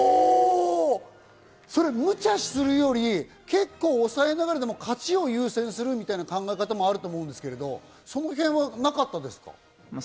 むちゃするより、結構抑えながらでも勝ちを優先するみたいな考え方もあると思うんですけど、その辺はなかったですか？